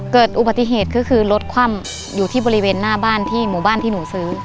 เกิดอุบัติเหตุก็คือรถคว่ำอยู่ที่บริเวณหน้าบ้านที่หมู่บ้านที่หนูซื้อ